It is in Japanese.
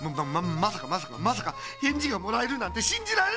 まさかまさかまさかへんじがもらえるなんてしんじられないよ！